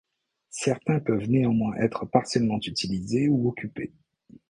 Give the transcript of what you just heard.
Certains peuvent néanmoins être partiellement utilisés ou occupés.